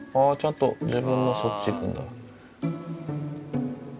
あちゃんと自分のそっち行くんだ。